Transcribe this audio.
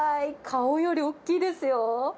顔より大きいですよ。